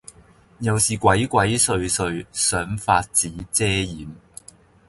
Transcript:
又是鬼鬼祟祟，想法子遮掩，